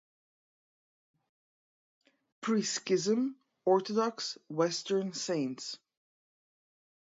Pre-Schism Orthodox Western Saints.